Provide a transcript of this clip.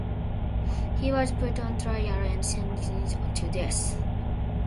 He was put on trial and sentenced to death.